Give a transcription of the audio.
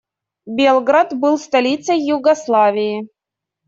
Белград был столицей Югославии.